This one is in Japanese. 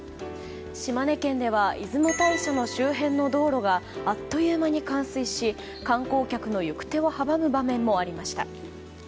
島根県では出雲大社の周辺の道路があっという間に冠水し観光客の行く手を阻む場面もありました。